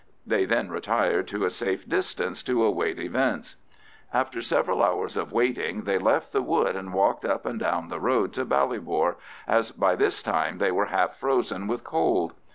They then retired to a safe distance to await events. After several hours of waiting they left the wood and walked up and down the road to Ballybor, as by this time they were half frozen with cold.